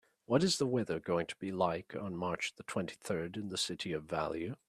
What is th weather going to be like mar. the twenty-third in the city of Value